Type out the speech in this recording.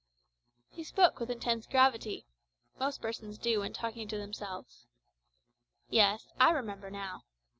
He spoke with intense gravity. Most persons do when talking to themselves. "Yes, I remember now.